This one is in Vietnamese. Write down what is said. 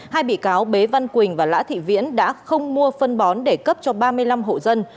hai bị cáo bế văn quỳnh và lã thị viễn đã không mua phân bón để cấp cho ba mươi năm hộ dân